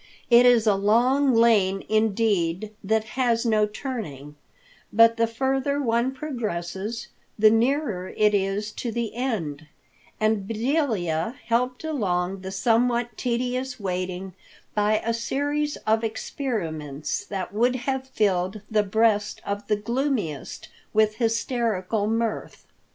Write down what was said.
It is a long lane, indeed, that has no turning, but the further one progresses, the nearer it is to the end; and Bedelia helped along the somewhat tedious waiting by a series of experiments that would have filled the breast of the gloomiest with hysterical mirth.